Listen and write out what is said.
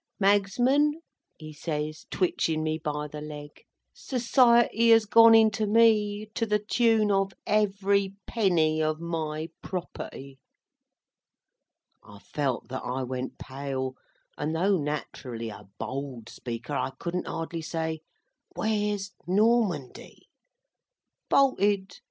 "Magsman," he says, twitchin me by the leg, "Society has gone into me, to the tune of every penny of my property." I felt that I went pale, and though nat'rally a bold speaker, I couldn't hardly say, "Where's Normandy?" "Bolted.